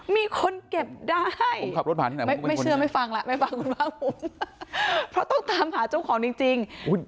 มีคนเก็บได้ไม่เชื่อไม่ฟังล่ะไม่ฟังคุณฟังผมเพราะต้องตามหาเจ้าของจริง